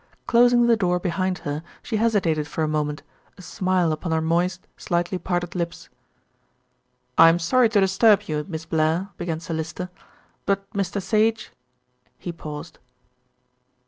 Closing the door behind her, she hesitated for a moment, a smile upon her moist, slightly parted lips. "I'm sorry to disturb you, Miss Blair," began Sir Lyster, "but Mr. Sage " he paused.